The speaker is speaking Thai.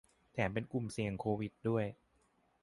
แถมเป็นกลุ่มเสี่ยงโควิดด้วย